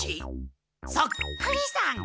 そっくりさん。